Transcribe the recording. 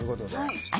はい。